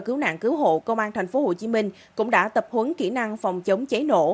cứu nạn cứu hộ công an thành phố hồ chí minh cũng đã tập huấn kỹ năng phòng chống cháy nổ